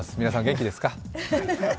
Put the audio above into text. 皆さん、元気ですか。